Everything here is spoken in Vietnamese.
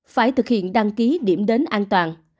phải thực hiện đăng ký điểm đến an toàn